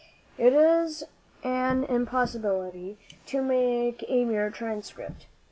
"It is an impossibility to make a mere transcript.